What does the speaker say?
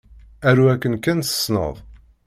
Aru akken kan tessneḍ.